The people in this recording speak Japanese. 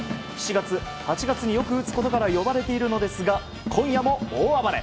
７月、８月によく打つことから呼ばれているのですが今夜も大暴れ。